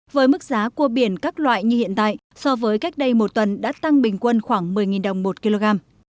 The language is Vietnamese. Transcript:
với mức giá cua biển các loại như hiện tại so với cách đây một tuần đã tăng bình quân khoảng một mươi đồng một kg